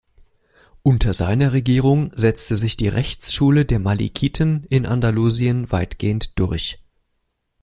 Unter seiner Regierung setzte sich die Rechtsschule der Malikiten in Andalusien weitgehend durch.